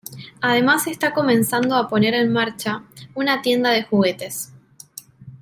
Además está comenzando a poner en marcha una tienda de juguetes.